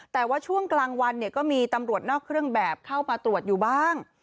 แต่ว่าช่วงกลางวันเนี่ยก็มีตำรวจนอกเครื่องแบบเข้ามาตรวจอยู่บ้าง